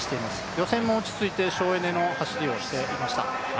予選も落ち着いて省エネの走りをしていました。